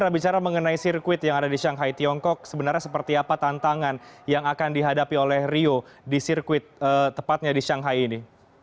bicara mengenai sirkuit yang ada di shanghai tiongkok sebenarnya seperti apa tantangan yang akan dihadapi oleh rio di sirkuit tepatnya di shanghai ini